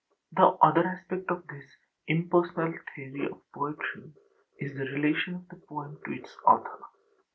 The other aspect of this Impersonal theory of poetry is the relation of the poem to its author.